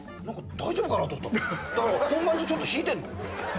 だから本番中ちょっと引いてんの。